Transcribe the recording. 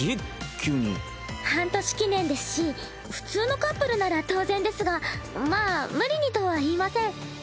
急に半年記念ですし普通のカップルなら当然ですがまあ無理にとは言いません